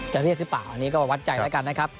จะเรียกหรือเปล่าอันนี้ก็วัดใจแล้วกันนะครับ